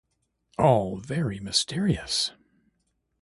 All very mysterious!